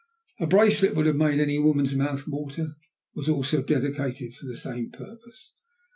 A bracelet that would have made any woman's mouth water was also dedicated to the same purpose.